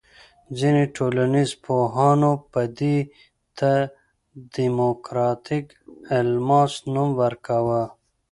ځینې ټولنیز پوهانو به دې ته دیموکراتیک الماس نوم ورکاوه.